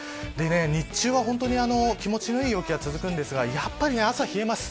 日中は気持ちのいい陽気が続くんですがやっぱり朝は冷えます。